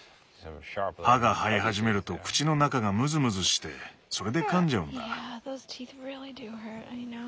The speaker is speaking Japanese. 歯が生え始めると口の中がムズムズしてそれで噛んじゃうんだ。